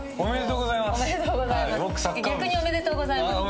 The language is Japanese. おめでとうございます。